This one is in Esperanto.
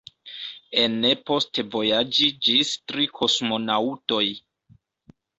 Ene povas vojaĝi ĝis tri kosmonaŭtoj.